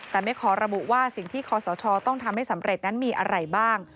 แต่ไม่ขอระบุว่าสิ่งที่คอสชต้องทำให้สำเร็จนั้นมีอะไรบ้าง